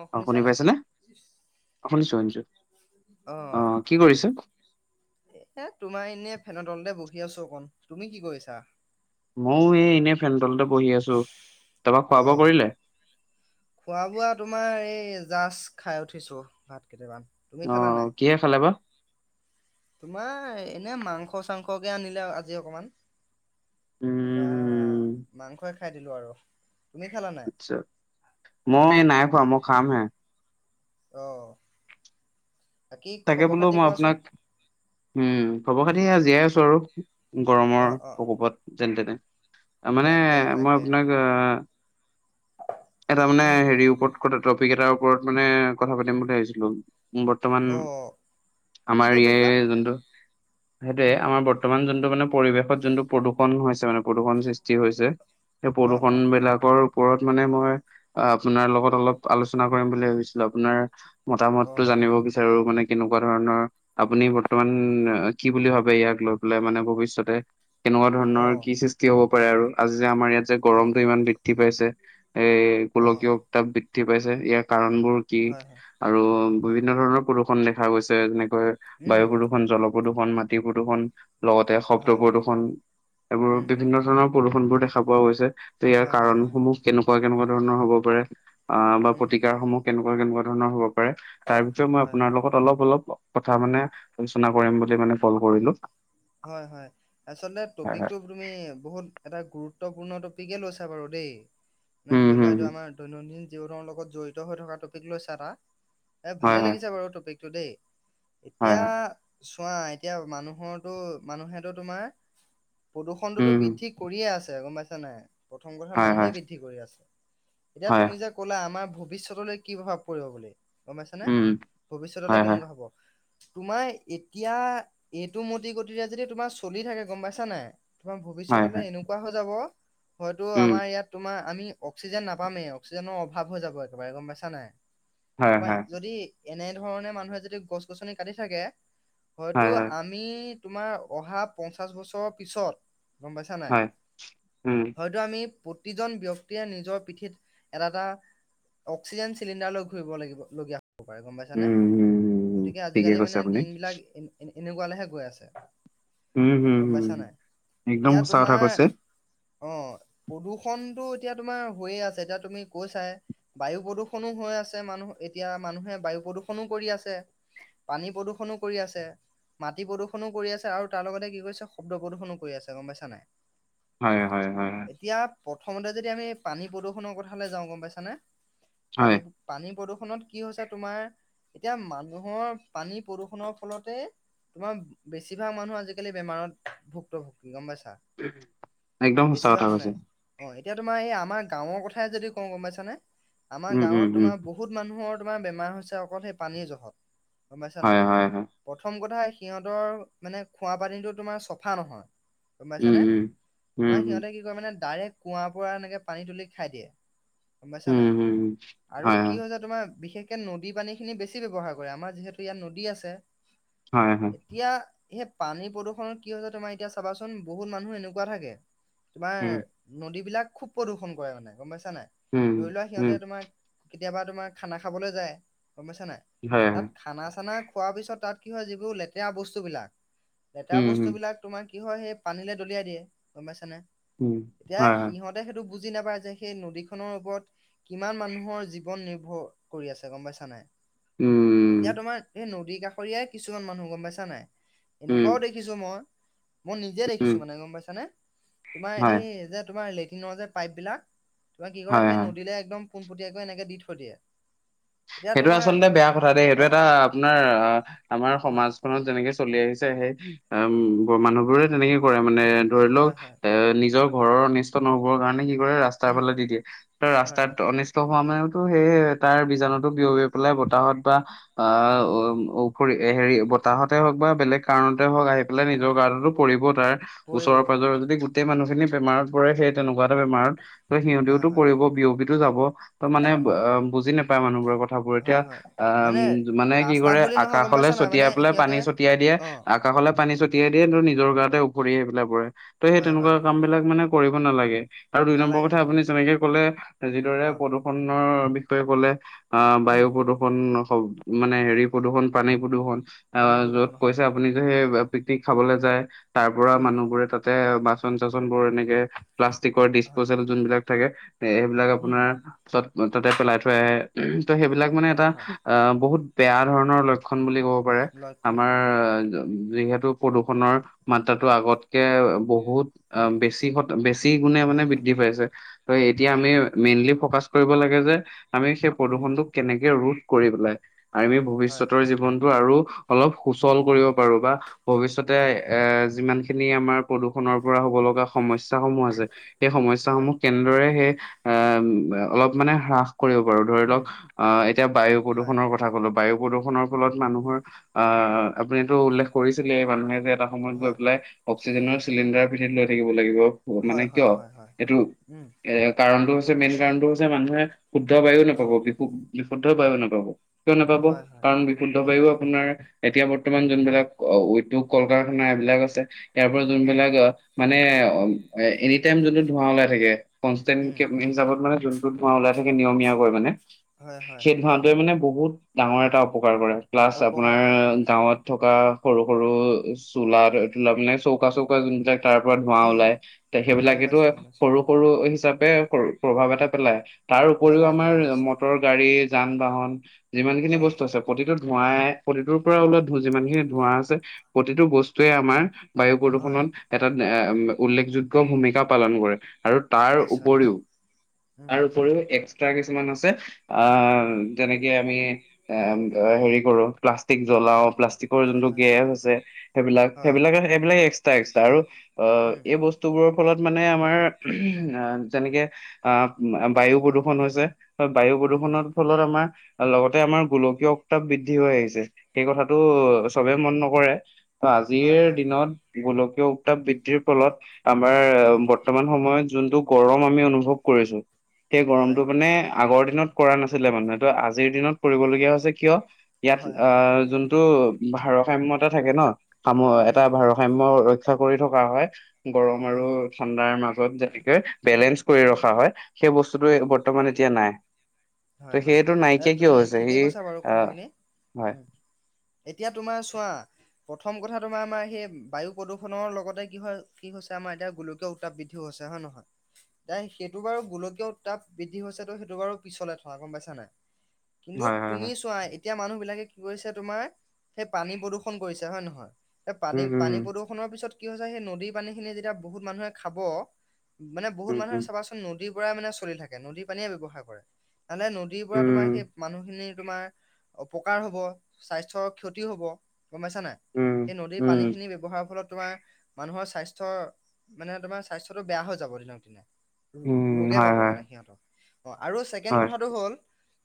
অ শুনিছা শুনি নাই পাইছেনে অ শুনিছো শুনিছো অ আহ। কি কৰিছে এ তোমাৰ এনেই ফেন তলতে বহি আছো অকন। তুমি কি কৰিছা। ময়ও এই এনেই ফেণ তলতে বহি আছো তাৰপৰা খোৱা বোৱা অ'। কৰিলে। খোৱা বোৱা তোমাৰ এই জাষ্ট খাই উঠিছো ভাত কেইটামান। তুমি অ খালা নাই? কিহে খালে বা। তোমাৰ এনে মাংস চাংসকে আনিলে আও আজি অকমান। তাৰপা উম মাংসই খাই দিলো আৰু তুমি খালা ন ছ মই এই নাই খোৱা মই খাম হে। অঁ। তাকে বোলো খাতি মই কোৱাচোন? আপোনাক উম খবৰ খাতি জীয়াই আছো আৰু গৰমৰ অ', অ', প্ৰকোপত যেন তেনে ত মানে তাকে মই তাকে, আপোনাক। অঁ এটা মানে উম, হেৰি ওপৰত, টপিক এটাৰ ওপৰত মানে কথা পাতিম বুলি ভাবিছিলো বৰ্তমান, অ', কি আমাৰ ইয়ে টপিক বা? যোনটো সেইটোয়ে উম, আমাৰ বৰ্তমান যোনটো মানে পৰিৱেশত যোনটো প্ৰদূষণ হৈছে মানে। প্ৰদূষণ সৃষ্টি হৈছে সেই অ', প্ৰদূষণ অ', বিলাকৰ, ওপৰত মানে মই আপোনাৰ লগত অলপ আলোচনা কৰিম বুলি ভাবিছিলো আপোনাৰ। মতামতটো অ', জানিব বিচাৰো মানে কেনেকুৱা ধৰণৰ আপুনি বৰ্তমান কি বুলি ভাবে ইয়াক লৈ পেলাই মানে ভৱিষ্যতে। তেনেকুৱা ধৰণৰ অ', কি সৃষ্টি হব পাৰে আৰু? আজি যে আমাৰ ইয়াত যে অ', গৰমতটো ইমান বৃদ্ধি পাইছে, এই অ', গোলকীয় তাপ বৃদ্ধি পাইছে ইয়াৰ কাৰণবোৰ কি? হয় হয়, আৰু বিভিন্ন ধৰণৰ প্ৰদূষণ দেখা গৈছে। যেনেকৈ উম, বায়ু প্ৰদূষণ, জল প্ৰদূৰ্ষণ, মাটি প্ৰদূৰ্ষণ, লগতে শব্দ হয়, প্ৰদূৰ্ষন এইবোৰ উম। বিভিন্ন ধৰণৰ প্ৰদূষন বোৰ দেখা পোৱা গৈছে, ত ইয়াৰ হয় হয় হয় কাৰণসমূহ কেনেকুৱা-কেনেকুৱা ধৰণৰ হব পাৰে? অ, বা উম প্ৰতিকাৰসমূহ কেনেকুৱা কেনেকুৱা ধৰণৰ হব পাৰে? তাৰ ভিতৰত মই হয় আপোনাৰ হয় লগত অলপ-অলপ কথা মানে আলোচনা কৰিম বুলি মানে কল কৰিলো। হয়-হয় আচলতে হয় হয় টপিকটো তুমি বহুত এটা গুৰুত্বপূৰ্ণ টপিকে লৈছা বাৰু দেই। মানে উম ধৰি লোৱা হম এইটো হম আমাৰ দৈনন্দিন জীৱনৰ লগত জড়িত হৈ থকা টপিক লৈছা এটা, এ হয় ভালে হয় লাগিছে বাৰু টপিক টো দেই। হয় এতিয়া হয় চোৱা এতিয়া মানুহৰ মানুহেতো তোমাৰ প্ৰদূষণটোতো উম হম বৃদ্ধি কৰিয়ে আছে, গম পাইছা নাই? প্ৰথম কথা হয় মানুহে হয় বৃদ্ধি কৰি আছে, এতিয়া হয় তুমি যে ক'লা আমাৰ ভৱিষ্যতলে কি প্ৰভাৱ পৰিব বুলি? গম পাইছানে? উম ভৱিষ্যতলৈ হয় হয় কেনেকুৱা হব? তোমাৰ এতিয়া এইটো ম গতিৰে যদি তোমাৰ চলি থাকে গম পাইছা নাই, তোমাৰ হয় ভৱিষ্যতলৈ হয় এনেকুৱা হৈ যাব হয়তো উম আমাৰ ইয়াত তোমাৰ আমি অক্সিজেন নাপামেই অক্সিজেনৰ অভাৱ হৈ যাব একেবাৰে, গম পাইছা নাই? হয় কোবাই হয় যদি এনেধৰণে মানুহে যদি গছ-গছনি কাটি থাকে, হয়তো হয় হয় আমি তোমাৰ অহা পঞ্চাশ বছৰৰ পিছত, গম পাইছা নাই? হয় উম হয় টো আমি প্ৰতিজন ব্যক্তিয়ে নিজৰ পিঠিত এটা-এটা, অক্সিজেন চিলিণ্ডাৰ লৈ ঘূৰিব লাগিব লগীয়া হব পাৰে গম পাইছা নে? উম হম হম গতিকে ঠিকে আজিকালি কৈছে মানে আপুনি দিনবিলাক এনেকুৱালেহে গৈ আছে। উম হম গম হম পাইছা নাই? একদম এতিয়া সঁচা কথা কৈছে। তোমাৰ অ, প্ৰদূষণতটো এতিয়া তোমাৰ হৈয়ে আছে, এতিয়া তুমি কৈছাহে। বায়ু প্ৰদূৰ্ষনো হৈ আছে, মানুহ এতিয়া মানুহে বায়ু প্ৰদূষণো কৰি আছে। পানী প্ৰদূষণো কৰি আছে, মাটি প্ৰদূষণ কৰি আছে আৰু তাৰ লগতে কি কৰিছে শব্দ প্ৰদূষণো কৰি আছে গম পাইছা নাই। হয়-হয়-হয়-হয়। এতিয়া প্ৰথমতে যদি আমি পানী প্ৰদূষণৰ কথালে যাওঁ, গম পাইছানে? হয়। পানী পানী প্ৰদূষণত কি হৈছে তোমাৰ এতিয়া মানুহৰ পানী প্ৰদূষনৰ ফলতে তোমাৰ বেছিভাগ মানুহ আজিকালি বেমাৰত ভুক্তভুগী। গম পাইছা? একদম সঁচা বেছিভাগ কথা মানে কৈছে। অ, এতিয়া তোমাৰ এই আমাৰ গাঁৱৰ কথাই যদি কওঁ, গম পাইছানে? আমাৰ উম, উম, গাঁৱত উম, তোমাৰ বহুত বহুত মানুহৰ তোমাৰ বেমাৰ হৈছে অকল সেই পানীৰ জহত গম পাইছা হয়, নাই হয়, হয়, প্ৰথম কথা সিহঁতৰ মানে খোৱা পানীটো তোমাৰ চফা নহয়। গম উম, পাইছানে উম। উম, তোমাৰ উম, সিহঁতে কি কয় মানে ডাইৰেক্ট কুঁৱাৰ পৰা এনেকে পানী তুলি খাই দিয়ে। গম পাইছা নাই উম, উম, উম, আৰু হয়, কি হয়, হৈছে তোমাৰ বিশেষ কে নদী পানী খিনি বেছি ব্যৱহাৰ কৰে আমাৰ যিহেতু ইয়াত নদী আছে। হয়-হয়, এতিয়া সেই পানীৰ প্ৰদূষণত কি হৈছে তোমাৰ এতিয়া চাবাচোন বহুত মানুহ এনেকুৱা থাকে, তোমাৰ উম, নদীবিলাক খুব প্ৰদূষণ কৰে মানে গম পাইছা নাই, উম, ধৰি লোৱা উম, সিহঁতে তোমাক কেতিয়াবা তোমাৰ খানা খাবলে যায় গম পাইছা নাই। হয়-হয়। তাত খানা চানা খোৱাৰ পিছত তাত কি হয়, যিবোৰ লেতেৰা বস্তুবিলাক লেতেৰা উম, উম, বস্তুবিলাক তোমাৰ কি হয় সেই পানীলৈ দলিয়াই দিয়ে গম পাইছানে? উম, এতিয়া হয়, হয়, সিহত তে সেইটো বুজি নাপায় যে সেই নদীখনৰ ওপৰত কিমান মানুহৰ জীৱন নিৰ্ভৰ কৰি আছে গম পাইছা নাই। উম, এতিয়া তোমাৰ এই নদী কাষৰীয়াই কিছুমান মানুহ গম পাইছা নাই। উম, এনেকুৱাও দেখিছো মই, মই নিজে উম, দেখিছো মানে গম পাইছানে তোমাৰ হয়, এই যে তোমাৰ লেট্ৰিনৰ যে পাইপ বিলাক তোমাৰ কি কৰে হয়, সেই হয়। নদীলে একদম পোনপটীয়াকৈ এনেকে দি থৈ দিয়ে এতিয়া সেইটো তোমাৰ আচলতে বেয়া কথা দেই সেইটো অ এটা আপোনাৰ আ আমাৰ হয় সমাজ ত যেনেকে চলি আহিছে সেই অ' মানুহবোৰে তেনেকে কৰে মানে ধৰি লওক হয় হয় এ নিজৰ ঘৰৰ অনিষ্ট নহবৰ কাৰণে কি কৰে ৰাচ ৰাস্তাৰ উম ফালে দি দিয়ে ত হয় ৰাস্তাত হয় অনিষ্ট হোৱা মানেওতো সেই তাৰ বীজাণুত বিয়পী পেলাই বতাহত বা অ হেৰি বতাহতে হওক বা বেলেগ কাৰণতে হওক আহি হয় নিজৰ হয় গাতো পৰিবও তাৰ পৰিব ওচৰৰ পৰিব পাজৰেৰ যদি গোটেই মানুহখিনি বেমাৰত পৰে সেই তেনেকুৱা এটা বেমাৰত ত হয় সিহতিওতো হয় পৰিব বিয়পিটো যাব ত মানে উম অ' বুজি নাপায় মানুহবোৰে এতিয়া হয় হয় মানে অ' মানে কি ৰাস্তাত কৰে বুলি নহয় গম আকাশলে পাইছা নাই মানে ছটিয়াই পেলাই পানী সিহঁতে ছটিয়াই দিয়ে অ কাষলৈলে পানী ছটিয়াই দিয়ে তোৰ নিজৰ গাতে উফৰি আহি পেলাই পৰে ত' সেই হয় তেনেকুৱা হয় কাম বিলাক মানে কৰিব নালাগে আৰু দুই নম্বৰ নালাগে কথা আপুনি নালাগে যেনেকে কলে যিদৰে অ বিষয়ে কলে অ' বায়ু উম প্ৰদূষণ ষণ হওঁক মানে হেৰি প্ৰদূৰষণ পানী প্ৰদূৰ্ষণ আ পানী য'ত প্ৰদূষণ হয় কৈছে আপুনি যে সেই পিকনিক উম খাবলৈ যায় তাৰ পৰা উম মানুহবোৰে তাত তাতে বাচন চাচন বোৰ এনেকে প্লাষ্টিকৰ হয় ডিচপ'জেল যোনবিলাক থাকে সেইবিলাক উম, আপোনাৰ তাতে পেলাই থৈ আহে ত' সেইবিলাক মানে এটা হয় হয় আ বহুত বেয়া ধৰণৰ লক্ষণ বুলি ক'ব পাৰে লক্ষণ আমাৰ হয় হয়। যিহেতু প্ৰদূষণৰ মাত্ৰাটো আগতকে বহুত অ' উম, বেছি বেছি গুণে মানে বৃদ্ধি পাইছে ত এতিয়া হয় আমি হয়। মেইনলি ফকাচ কৰিব লাগে যে আমি সেই উম, প্ৰদূষনটো কেনেকে ৰোধ কৰি পেলাই আমি হয়। ভৱিষ্যতৰ জীৱনটো আৰু অলপ সুচল উম, কৰিব পাৰো বা ভৱিষ্যতে হয় এ যিমানখিনি আমাৰ প্ৰদূষনৰ পৰা হ'ব লগা সমস্যা সমূহ আছে সেই সমস্যা হয়। সমূহ কেনেদৰে সেই অ' অলপ মানে হ্ৰাস কৰিব পাৰো ধৰি লওক উম, আ এতিয়া বায়ু হয়। প্ৰদূৰণৰ কথা কলো বায়ু প্ৰদূষণৰ ফলত মানুহৰ উম, আ আপুনিটো উল্লেখ কৰিছিলে এই মানুহে যে এটা সময়ত গৈ হয়। পেলাই অক্সিজেনৰ চিলিণ্ডাৰ পিন্ধিত লৈ থাকিব লাগিব মানে হয় হয় কিয় হয় হয়। এইটো উম, এ কাৰণটো হৈছে মেইন কাৰণটো হৈছে মানুহে শুদ্ধ বায়ুও নাপাব অ' বিশুদ্ধ বায়ু নাপাব কিয় নাপাব হয় হয়। কাৰণ বিশুদ্ধ উম, বায়ু আপোনাৰ এতিয়া বৰ্তমান যোনবিলাক উদ্যোগ কল কাৰখানা এইবিলাক আছে ইয়াৰ পৰা উম, যোনবিলাক মানে এনি টাইম যোনটো ধোঁৱা ওলাই থাকে কনস্তেন উম, কে মেইন হিচাপত মানে যোন ধোঁৱা ওলাই থাকে নিয়মীয়াকৈ মানে হয় হয়। সেই ধোঁৱাটোৱে মানে বহুত ডাঙৰ এটা অপকাৰ কৰে প্লাছ আপোনাৰ অপকাৰ কৰে হয়। গাঁৱত থকা উম, সৰু সৰু চোলা তোলা মানে চৌকা চৌকা যোনবিলাক তাৰ পৰা ধোৱা উম, ওলাই উম, ত গম সেইবিলাকেতো পাইছোঁ গম পাইছোঁ। সৰু সৰু হিচাপে প্ৰভাৱ এটা পেলায় তাৰ উপৰিও পেলাই আমাৰ পেলাই নিশ্চয়। মটৰ গাড়ী যান বাহন যিমান খিনি অ' বস্তু আছে প্ৰতিটো ধোঁৱাই প্ৰতিটোৰ পৰা ওলোৱা ধ যিমান খিনি ধোঁৱা আছে প্ৰতিটো বস্তুৱে আমাৰ বায়ু হয় প্ৰদূষণত এটা উল্লেখযোগ্য ভূমিকা পালন কৰে আৰু তাৰ নিশ্চয় উপৰিও নিশ্চয়। উম, তাৰ উপৰিও এক্সট্ৰা কিছুমান আছে অ' উম, যেনেকে আমি এ হেৰি কৰো প্লাষ্টিক জ্বলাও প্লাষ্টিকৰ যোনটো হয় হয় গেছ আছে সেইবিলাক হয়। সেইবিলাকে সেইবিলাক এক্সট্ৰা এক্সট্ৰা আৰু অ' উম, এই বস্তু বস্তুবোৰৰ ফলত মানে আমাৰ যেনেকে অ' বায়ু প্ৰদূষণ হৈছে বায়ু উম, প্ৰদূষণৰ ফলত আমাৰ লগতে আমাৰ গোলকীয় উত্তাপ বৃদ্ধি হৈ আহিছে। সেই কথাটো অ' চবে মন নকৰে, ত' হয় আজিৰ হয় হয়। দিনত গোলকীয় উত্তাপ বৃদ্ধিৰ ফলত আমাৰ উম, বৰ্তমান সময়ত যোনটো গৰম আমি অনুভৱ কৰিছো। সেই গৰমটো হয় মানে আগৰ দিনত কৰা নাছিলে মানুহটো আজিৰ দিনত কৰিবলগীয়া হৈছে কিয় ইয়াত হয় হয়। আহ, যোনটো ভাৰসাম্যতা থাকে ন। সাম্য এটা উম, ভাৰসাম্য ৰক্ষা কৰি থকা হয়, গৰম আৰু উম। ঠাণ্ডাৰ মাজত যেনেকে বেলেঞ্চ কৰি ৰখা হয়, সেই বস্তুটো হয়, বৰ্তমান এতিয়া নাই। হয়, ত হয়, সেইটো এ নাইকীয়া কিয় তুমি হৈছে ঠিকে সি কৈছা বাৰু আহ, কথাখিনি। হয়। উম। এতিয়া তোমাৰ চোৱা? প্ৰথম কথা তোমাৰ আমাৰ সেই বায়ু প্ৰদূষণৰ লগতে কি হয় কি হৈছে, আমাৰ এতিয়া গোলকীয় উত্তাপ বৃদ্ধি হৈছে হয় নে নহয়। তাই সেইটো বাৰু গোলকীয় উত্তাপ বৃদ্ধি হৈছে তো সেইটো বাৰু পিছলে গম পাইছা নাই কিন্তু হয় হয় তুমি হয় চোৱা এতিয়া মানুহ বিলাকে কি কৰিছে তোমাৰ সেই পানী প্ৰদূৰ্ষণ কৰিছে হয় নহয়। সেই পানী উম পানী প্ৰদূষণ পিছত কি হৈছে সেই নদী পানী খিনি যেতিয়া বহুত মানুহে খাব। মানে বহুত উম মানুহে উম চাবা চোন নদীৰ পৰা মানে চলি থাকে নদীৰ পানীয়ে ব্যৱহাৰ কৰে। তেনে নদীৰ পৰা তোমাৰ উম সেই মানুহখিনিৰ তোমাৰ অপকাৰ হব, স্বাস্থ্যৰ ক্ষতি হ'ব। গম পাইছা নাই। উম উম সেই নদীৰ উম পানী খিনি ব্যৱহাৰৰ ফলত তোমাৰ মানুহৰ স্বাস্থ্য মানে তোমাৰ স্বাস্থ্যটো বেয়া হৈ যাব দিনক দিনে। উম ৰোগে হয় পাব হয় মানে সিহঁতক অ, আৰু ছেকেণ্ড হয় কথাটো হ'ল?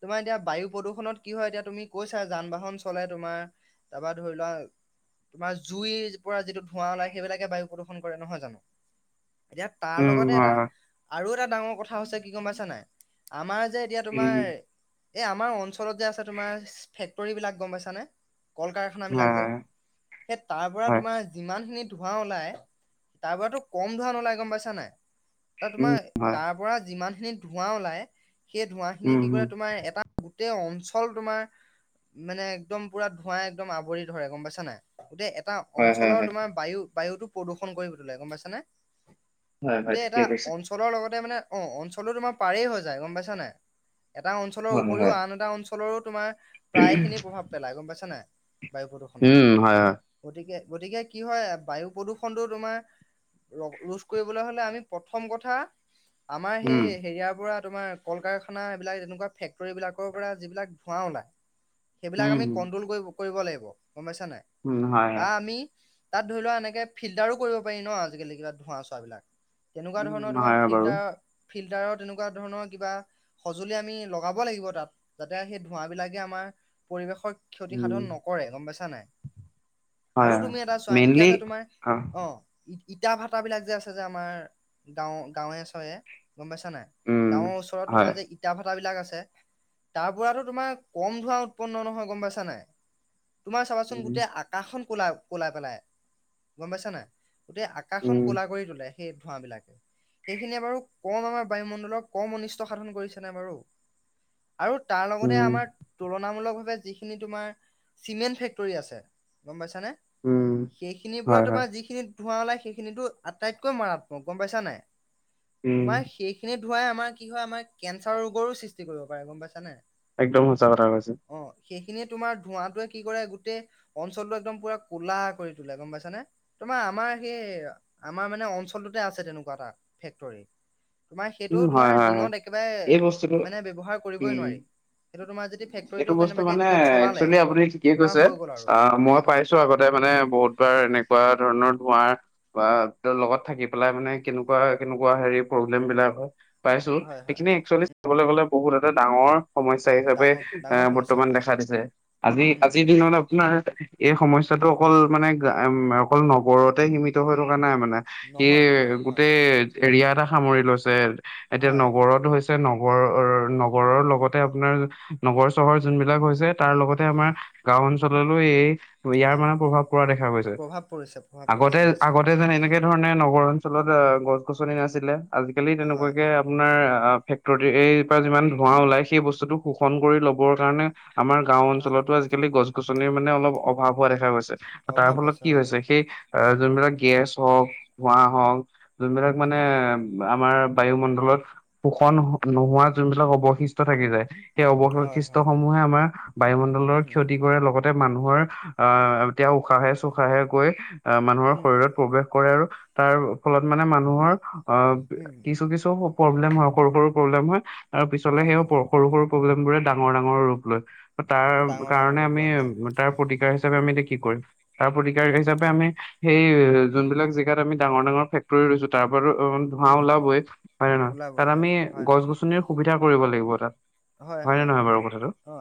তোমাৰ এতিয়া বায়ু প্ৰদূষণত কি হয়, এতিয়া তুমি কৈছা যান বাহন চলে তোমাৰ তাৰপৰা ধৰি লোৱা তোমাৰ জুইৰ পৰা যিটো ধোঁৱা ওলাই সেইবিলাকে বায়ু প্ৰদূষণ কৰে নহয় জানো। এতিয়া তাৰ উম লগতে এটা হয় হয় আৰু এটা ডাঙৰ কথা হৈছে কি গম পাইছা নাই। আমাৰ যে এতিয়া উম তোমাৰ এই আমাৰ অঞ্চলত যে আছে তোমাৰ ফেক্টৰী বিলাক গম পাইছানে। কল কাৰ খানা হয় বিলাক যে হয় সেই তাৰ পৰা হয় তোমাৰ যিমান খিনি ধোঁৱা ওলাই তাৰ পৰাতো কম ধোঁৱা নোলাই ওলাই গম পাইছা নাই। এ উম তোমাৰ হয় তাৰ পৰা যিমান খিনি ধোঁৱা ওলাই। সেই ধোঁৱা খিনি উম কি উম কৰে তোমাৰ এটা গোটেই অঞ্চল তোমাৰ মানে একদম পুৰা ধোঁৱাই একদম আৱৰি ধৰে গম পাইছা নাই। গোটেই এটা হয়, হয়, অঞ্চলৰ হয়। তোমাৰ বায়ু বায়ুতটো প্ৰদূষণ কৰি তোলে গম পাইছা নে। হয়, হয়, গোটেই এটা ঠিকে কৈছে। অঞ্চলৰ লগতে মানে অ, অঞ্চলো তোমাৰ পাৰেই হৈ যায় গম পাইছা নাই। এটা অঞ্চলৰ হয়, উপৰিও হয়। আন এটা অঞ্চলৰো তোমাৰ প্ৰায় খিনি প্ৰভাৱ পেলাই গম পাইছা নাই। বায়ু প্ৰদূৰষণৰ উম, হয়, হয়। গতিকে গতিকে কি হয়, বায়ু প্ৰদূষণটো তোমাৰ ৰ ৰোধ কৰিবলে হলে আমি প্ৰথম কথা আমাৰ সেই উম। হেৰিয়াৰ পৰা তোমাৰ কল কাৰখানা এইবিলাক এনেকোৱা ফেক্টৰী বিলাকৰ পৰা যিবিলাক ধোঁৱা ওলায়। সেইবিলাক উম, আমি কন্ট্ৰল ক কৰিব লাগিব। গম পাইছা নাই উম, হয়, হয়। বা আমি তাত ধৰি লোৱা এনেকে ফিল্টাৰো কৰিব পাৰি ন' আজিকালি কিবা ধঁৱা চোৱা বিলাক। তেনেকোৱা উম, ধৰণৰ তোমাৰ হয়, হয় বাৰু। ফিল্টাৰ-ফিল্টাৰৰ তেনেকোৱা ধৰণৰ কিবা সঁজুলি আমি লগাব লাগিব তাত, যাতে সেই ধোঁৱাবিলাকে আমাৰ পৰিৱেশৰ ক্ষতি উম, সাধন নকৰে গম পাইছা নাই। হয়, আৰু হয়। তুমি এটা চোৱা এতিয়া মেইনলি যে তোমাৰ অ, ই ইটা ভাটাবিলাক যে আছে যে আমাৰ গাঁৱ গাঁৱে-চাহয়ে গম পাইছা নাই। উম, গাঁৱৰ ওচৰত হয়। তোমাৰ যে ই ইটাভাটা বিলাক আছে তাৰ পৰাতো তোমাৰ কম ধোঁৱা উৎপন্ন নহয় গম পাইছা নাই। তোমাৰ চাবাচোন উম, গোটেই আকাশখন কলা কলা পেলাই গম পাইছা নাই। গোটেই আকা উম, আকাশখন ক'লা কৰি তোলে, সেই ধোঁৱাবিলাকে সেইখিনিয়ে বাৰু কম আমাৰ বায়ুমণ্ডলক কম অনিষ্ট সাধন কৰিছে নে বাৰু। আৰু তাৰ লগতে উম, আমাৰ তুলনামূলক ভাৱে যিখিনি তোমাৰ। চিমেন্ট ফেক্টৰী আছে গম পাইছানে উম, সেইখিনিৰ পৰা হয়, হয়। তোমাৰ যিখিনি ধোঁৱা ওলাই সেইখিনিতো আটাইতকৈ মাৰাত্মক গম পাইছা নাই উম, তোমাৰ সেইখিনি ধোঁৱাই আমাৰ কি হয় আমাৰ কেঞ্চাৰৰ ৰোগৰো সৃষ্টি কৰিব পাৰে গম পাইছানে, একদম সঁচা কথা কৈছে। অ সেইখিনিয়ে তোমাৰ ধোঁৱাটোৱে কি কৰে গোটেই অঞ্চলটো একদম পুৰা কোলা কৰি তোলে গম পাইছা নে? তোমাৰ আমাৰ সেই আমাৰ মানে অঞ্চলটোতে আছে তেনেকোৱা এটা ফেক্টৰী তোমাৰ সেইটো উম, হয়, তোমাৰ হয়, হয়। দিনত এই বস্তুটো একেবাৰে মানে ব্যৱহাৰ কৰিবই উম, নোৱাৰি। সেইটো তোমাৰ যদি ফেক্টৰীটো এইটো বস্তু কেনেবাকে মানে দিনত চলালে একচুৱেলি আপুনি তোমাৰ হৈ গ'ল আৰু উম তাতে মানে বহুত বাৰ এনেকুৱা ধৰণৰ ধোঁৱাৰ বা ত লগত থাকি পেলাই মানে কেনেকোৱা কেনেকোৱা হেৰি প্ৰব্লেম বিলাক পাইছোঁ আৰু হয় হয় শৱসেইখিনি একচুৱেলি চাবলৈ গলে বহুত এটা ডাঙৰ সমস্যা হিচাপে ডাঙৰ ডাঙৰ এহ সমস্যা বৰ্তমান হয় দেখা দিছে। আজি উম আজিৰ উম দিনত আপোনাৰ এই সমস্যাটো উম অকল মানে, এম অকল নগৰতে সীমিত হৈ থকা নাই মানে ই নহয় নহয় হয় গোটেই এৰিয়া এটা সামৰি লৈছে এতিয়া হয় নগৰতো হৈছে নগৰ নগৰৰ লগতে আপোনাৰ নগৰ চহৰ যোনবিলাক হৈছে তাৰ লগতে আমাৰ গাঁৱ অঞ্চললো এই ইয়াৰ হয় মানে প্ৰভাৱ পৰা দেখা গৈছে প্ৰভাৱ পৰিছে প্ৰভাৱ আগতে পৰিছে নিশ্চয় আগতে যেনেকে ধৰণে নগৰ অঞ্চলত অ গছ গছনি নাছিলে আজিকালি হয় তেনেকোৱাকে আপোনাৰ ফেক্টৰী এই পৰা যিমান ধোঁৱা ওলাই সেই বস্তুটো শোষণ কৰি ল'বৰ কাৰণে আমাৰ গাওঁ হয় অঞ্চলতো আজিকালি গছ গছনিৰ মানে অলপ অভাৱ হোৱা দেখা গৈছে। তাৰ অভাৱ ফলত কি হয় হৈছে সেই অহ উম যোনবিলাক গেছ হওক ধোঁৱা হওক যোনবিলাক মানে উম আমাৰ বায়ুমণ্ডলত শোষণ নোহোৱা যোনবিলাক অৱশিষ্ট থাকি যায়। সেই হয় অবশিষ্টিয় হয় সমূহে আমাৰ বায়ুমণ্ডলৰ উম, ক্ষতি কৰে লগতে। মানুহৰ আহ এতিয়া উশাহে চোশাহে গৈ আহ মানুহৰ উম, শৰীৰত প্ৰৱেশ। কৰে আৰু তাৰ ফলত মানে মানুহৰ অ উম, কিছু কিছু। প্ৰব্লেম হয় সৰু সৰু প্ৰব্লেম হয় আৰু পিছলে হয়, সেই হয়, সৰু সৰু প্ৰব্লেম বোৰে ডাঙৰ ডাঙৰ ৰূপ লয়। তাৰ ডাঙৰ ডাঙৰ কাৰণে ৰ'ব আমি লয় হয়, তাৰ প্ৰতিকাৰ হিচাপে আমি এতিয়া কি কৰিম তাৰ প্ৰতিকাৰ উম, হিচাপে আমি সেই যোনবিলাক জেগাত আমি ডাঙৰ ডাঙৰ ফেক্টৰী লৈছো তাৰ পৰা ধোঁৱা উম, ওলাবই হয় নে নহয় ওলাবই তাত হয়, আমি হয়, গছ হয়, গছনিৰ সুবিধা কৰিব লাগিব তাত হয় নে নহয় বাৰু কথাটো অ',